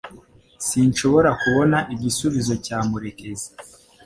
Sinshobora kubona igisubizo cya murekezi